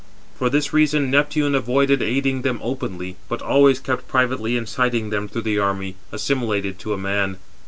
For this reason [Neptune] avoided aiding them openly, but always kept privately inciting them through the army, assimilated to a man.